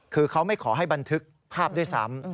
คือเขาไม่ขอให้บันทึกภาพด้วยซ้ำ